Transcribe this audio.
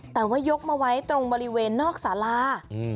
แต่ว่ายกมาไว้ตรงบริเวณนอกสารา